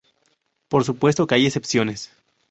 Por supuesto que hay excepciones.